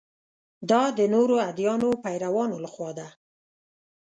دا د نورو ادیانو پیروانو له خوا ده.